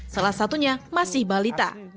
salah satunya masih balita